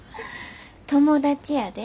友達やで。